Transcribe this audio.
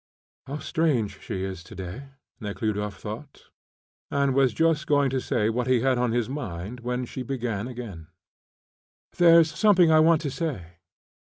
"How strange she is to day," Nekhludoff thought, and was just going to say what he had on his mind when she began again: "There's something I want to say.